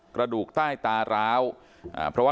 กระดูกใต้ตาร้าว